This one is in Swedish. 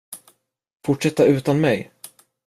Fortsätta utan mig?